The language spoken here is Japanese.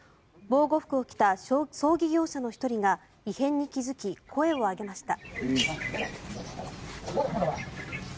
防護服を着た葬儀業者の１人が異変に気付き、声を上げました。